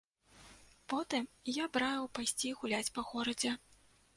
Потым я б раіў пайсці гуляць па горадзе.